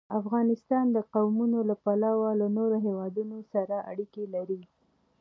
افغانستان د قومونه له پلوه له نورو هېوادونو سره اړیکې لري.